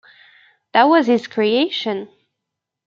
That was his creation.